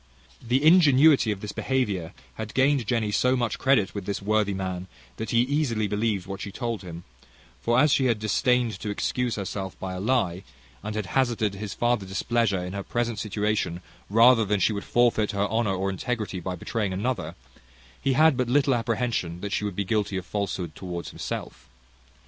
The ingenuity of this behaviour had gained Jenny so much credit with this worthy man, that he easily believed what she told him; for as she had disdained to excuse herself by a lie, and had hazarded his further displeasure in her present situation, rather than she would forfeit her honour or integrity by betraying another, he had but little apprehensions that she would be guilty of falsehood towards himself.